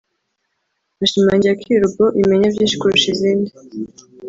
ashimangira ko iyi robo imenya byinshi kurusha izindi